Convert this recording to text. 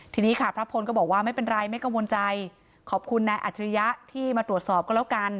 ทีนี้ค่ะพระพลก็บอกว่าไม่เป็นไรไม่กังวลใจขอบคุณนายอัจฉริยะที่มาตรวจสอบก็แล้วกัน